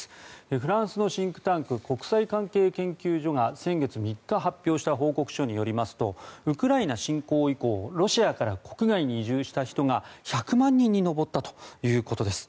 フランスのシンクタンク国際関係研究所が先月３日発表した報告書によりますとウクライナ侵攻以降ロシアから国外に移住した人が１００万人に上ったということです。